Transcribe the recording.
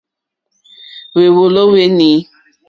Hwèwòló hwé nǐ.